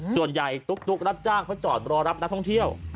ตุ๊กรับจ้างเขาจอดรอรับนักท่องเที่ยว